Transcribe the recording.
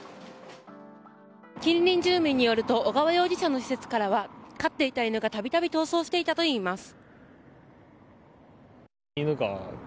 近隣住民によると尾川容疑者の施設からは飼っていた犬が度々、逃走していたといいます。